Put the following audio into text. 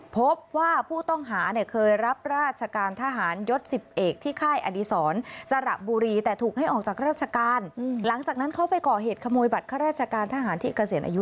พบว่าผู้ต้องหาเนี่ยเคยรับราชการทหารยศ๑๑